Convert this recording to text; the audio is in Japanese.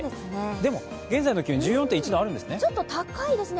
でも、現在の気温１４．１度あるんですね。